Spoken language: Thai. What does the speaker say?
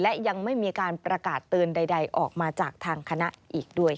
และยังไม่มีการประกาศเตือนใดออกมาจากทางคณะอีกด้วยค่ะ